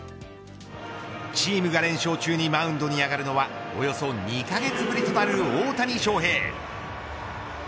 チームが連勝中にマウンドに上がるのはおよそ２カ月ぶりとなる大谷翔平。